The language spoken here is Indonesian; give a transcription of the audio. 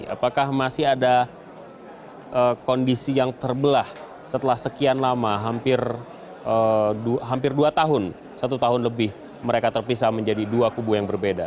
apakah masih ada kondisi yang terbelah setelah sekian lama hampir dua tahun satu tahun lebih mereka terpisah menjadi dua kubu yang berbeda